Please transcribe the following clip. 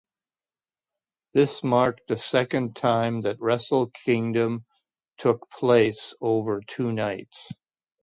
This marked the second time that Wrestle Kingdom took place over two nights.